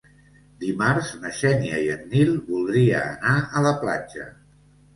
Dimarts na Xènia i en Nil voldria anar a la platja.